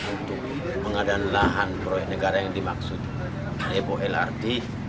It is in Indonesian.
untuk pengadaan lahan proyek negara yang dimaksud depo lrt